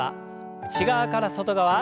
内側から外側。